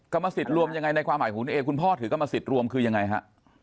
กรรมสิทธิ์รวมยังไงในความหมายของคุณเอคุณพ่อถือกรรมสิทธิ์รวมคือยังไงฮะ